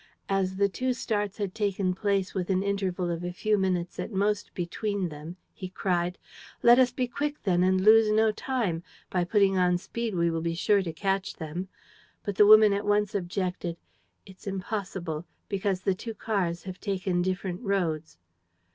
As the two starts had taken place with an interval of a few minutes at most between them, he cried: "Let us be quick then and lose no time. ... By putting on speed, we shall be sure to catch them. ..." But the woman at once objected: "It's impossible, because the two cars have taken different roads."